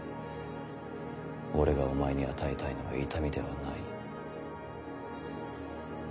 俺がお前に与えたいのは痛みではない。